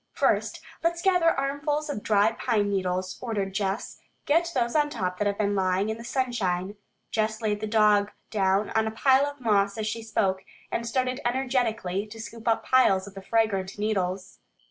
"First, let's gather armfuls of dry pine needles," ordered Jess. "Get those on top that have been lying in the sunshine." Jess laid the dog down on a bed of moss as she spoke, and started energetically to scoop up piles of the fragrant needles.